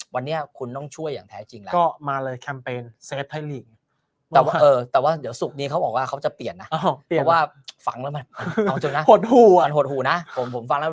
วันนี้คุณต้องช่วยอย่างแท้จริงแล้ว